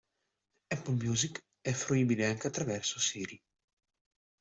Apple Music è fruibile anche attraverso Siri.